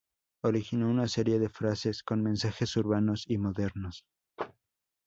Originó una serie de frases con mensajes urbanos y modernos.